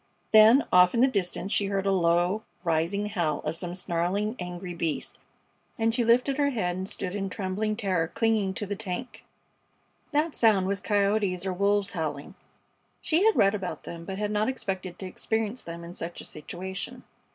Then off in the distance she heard a low, rising howl of some snarling, angry beast, and she lifted her head and stood in trembling terror, clinging to the tank. That sound was coyotes or wolves howling. She had read about them, but had not expected to experience them in such a situation.